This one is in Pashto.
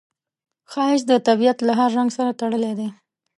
ښایست د طبیعت له هر رنګ سره تړلی دی